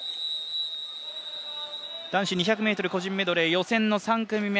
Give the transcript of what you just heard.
男子２００ｍ個人メドレー予選の３組目。